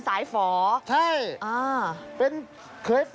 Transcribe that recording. สาวที่อยากเป็นสายฝอ